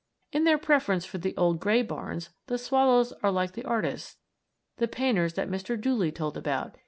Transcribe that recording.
In their preference for the old gray barns, the swallows are like the artists, the painters that Mr. Dooley told about.